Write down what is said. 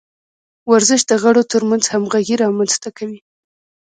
ورزش د غړو ترمنځ همغږي رامنځته کوي.